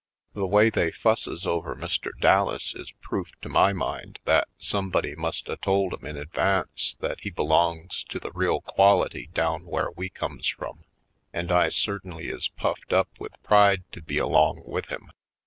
The way they fusses over Mr. Dallas is proof to my mind that somebody must a told 'em in advance that he belongs to the real quality down where we comes from, and I certainly is puffed up with pride to be along with him.